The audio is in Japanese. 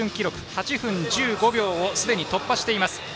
８分１５秒をすでに突破しています。